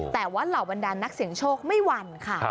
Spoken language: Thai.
แต่ว่าเหล่าบรรดานนักเสียงโชคไม่หวั่นค่ะ